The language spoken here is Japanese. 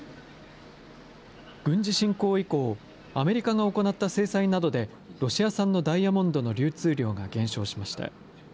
軍事侵攻以降、アメリカが行った制裁などでロシア産のダイヤモンドの流通量が減少しました。